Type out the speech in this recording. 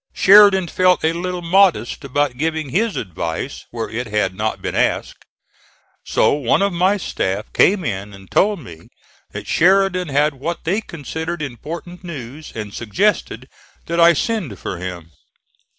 Sheridan felt a little modest about giving his advice where it had not been asked; so one of my staff came in and told me that Sheridan had what they considered important news, and suggested that I send for him.